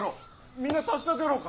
みんな達者じゃろうか。